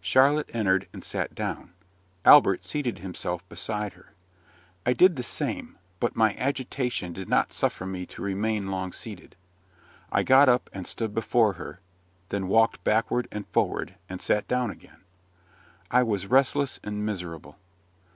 Charlotte entered, and sat down. Albert seated himself beside her. I did the same, but my agitation did not suffer me to remain long seated. I got up, and stood before her, then walked backward and forward, and sat down again. I was restless and miserable.